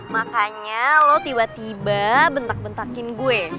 makanya lo tiba tiba bentak bentakin gue